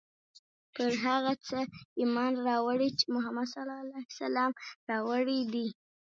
پر هغه څه ایمان راوړی چې محمد ص راوړي دي.